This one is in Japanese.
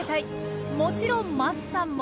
もちろん桝さんも。